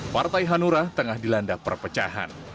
partai hanura tengah dilanda perpecahan